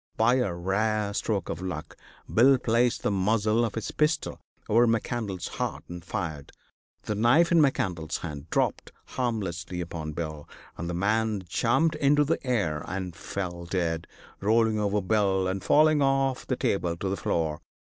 By a rare stroke of luck, Bill placed the muzzle of his pistol over McCandlas' heart and fired. The knife in McCandlas' hand dropped harmlessly upon Bill, and the man jumped into the air and fell dead, rolling over Bill and falling off the table to the floor.